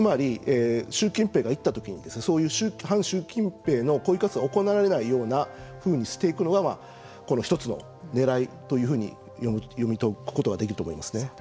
習近平が行ったときにそういう反習近平の抗議活動が行われないようにしていくのが、１つのねらいというふうに読み解くことができると思います。